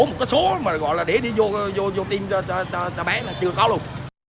một con số mà gọi là để đi vô tiêm cho bé này chưa có luôn